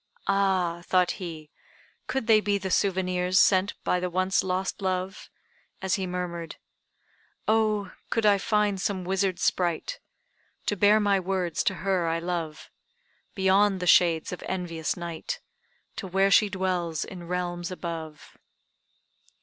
"Ah," thought he, "could they be the souvenirs sent by the once lost love," as he murmured "Oh, could I find some wizard sprite, To bear my words to her I love, Beyond the shades of envious night, To where she dwells in realms above!"